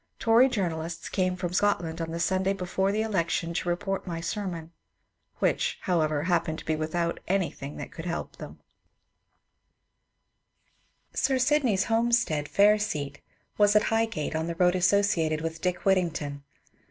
Tory journalists came from Scotland on the Simday before the election to report my sermon, which, however, happened to be without anything that could help them. 282 MONCURE DANIEL CONWAY Sir Sydney's homestead, *^ Fairseat," was at Highgate, on the road associated with ^^ Dick Whittington."